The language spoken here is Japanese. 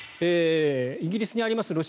イギリスにあります